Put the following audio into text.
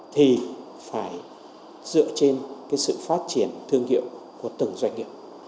thì phải dựa trên sự phát triển thương hiệu của từng doanh nghiệp